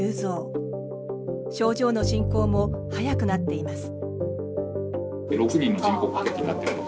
症状の進行も速くなっています。